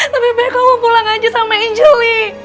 tapi biar kamu pulang aja sama angel li